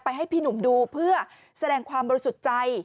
ให้พี่หนุ่มดูเพื่อแสดงความบริสุทธิ์ใจ